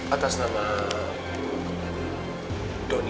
atas nama donny